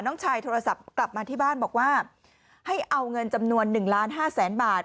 น้องชายโทรศัพท์กลับมาที่บ้านบอกว่าให้เอาเงินจำนวน๑ล้านห้าแสนบาท